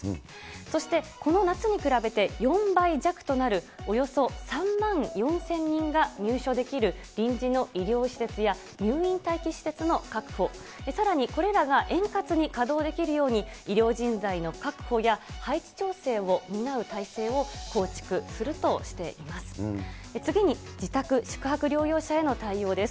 そして、この夏に比べて４倍弱となる、およそ３万４０００人が入所できる臨時の医療施設や、入院待機施設の確保、さらにこれらが円滑に稼働できるように、医療人材の確保や、配置調整を担う体制を構築するとしています。